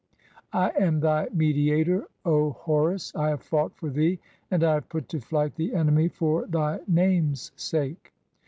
I am thy mediator (:), "O Horus. (11) I have fought for thee, and I have put to flight "the enemy for thy name's sake.